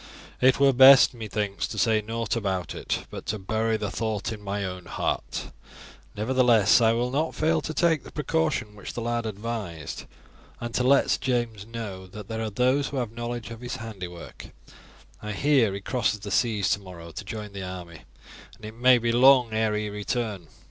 It were best, methinks, to say nought about it, but to bury the thought in my own heart. Nevertheless, I will not fail to take the precaution which the lad advised, and to let Sir James know that there are some who have knowledge of his handiwork. I hear he crosses the seas tomorrow to join the army, and it may be long ere he return.